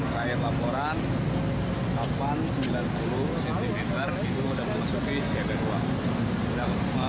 ketinggian air di pintu air manggarai itu air laporan delapan ratus sembilan puluh cm itu sudah dimasuki siaga dua